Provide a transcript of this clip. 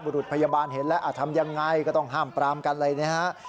บรุษพยาบาลเห็นแล้วทำอย่างไรก็ต้องห้ามปรามกันเลยนะครับ